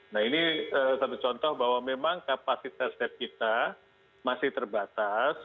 nah ini satu contoh bahwa memang kapasitas swab kita masih terbatas